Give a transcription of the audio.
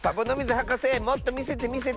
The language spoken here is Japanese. はかせもっとみせてみせて。